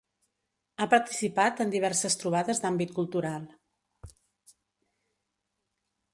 Ha participat en diverses trobades d'àmbit cultural.